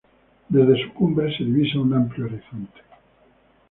Desde su cumbre se divisa un amplio horizonte.